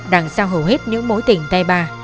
đằng sau hầu hết những mối tình tay ba